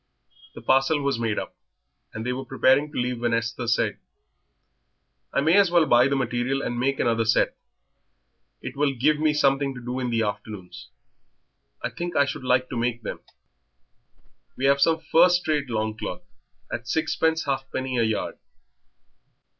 The parcel was made up, and they were preparing to leave, when Esther said "I may as well buy the material and make another set it will give me something to do in the afternoons. I think I should like to make them." "We have some first rate longcloth at sixpence half penny a yard."